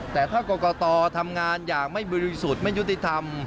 แต่ถ้ากรกตทำงานอย่างไม่บริสุทธิ์ไม่ยุติธรรม